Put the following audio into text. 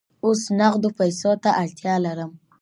اوس نغدو پیسو ته اړتیا لرم.